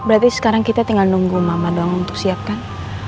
berarti sekarang kita tinggal nunggu mama dong untuk siapkan